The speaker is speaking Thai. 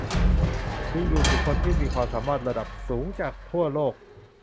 ดึงดูดบุคคลที่มีความสามารถระดับสูงจากทั่วโลก